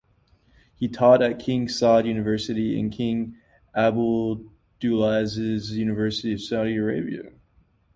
He taught at King Saud University and King Abdulaziz University of Saudi Arabia.